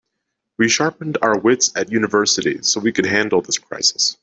We sharpened our wits at university so we could handle this crisis.